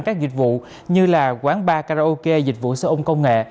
các dịch vụ như là quán bar karaoke dịch vụ xe ôm công nghệ